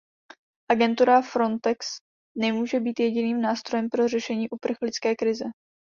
Agentura Frontex nemůže být jediným nástrojem pro řešení uprchlické krize.